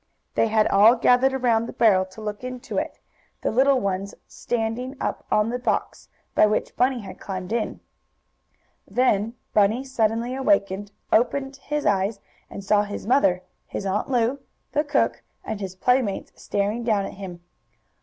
They had all gathered around the barrel to look into it, the littler ones standing up on the box, by which Bunny had climbed in. Then Bunny, suddenly awakened, opened his eyes and saw his mother, his Aunt Lu, the cook and his playmates staring down at him.